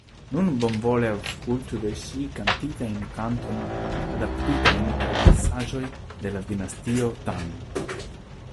Nun bonvole aŭskultu de ŝi kantitajn kantojn adaptitajn per versaĵoj de la dinastio Tang.